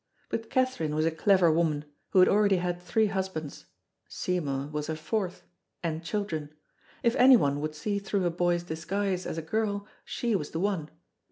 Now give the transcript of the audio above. But Catherine was a clever woman, who had already had three husbands Seymour was her fourth and children. If any one would see through a boy's disguise as a girl she was the one.